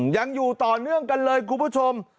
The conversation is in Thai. ยังอยู่ต่อเนื่องกันเลยคุณผู้ชม